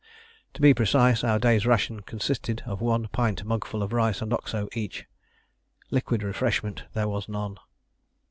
To be precise, our day's ration consisted of one pint mugful of rice and Oxo each: liquid refreshment there was none.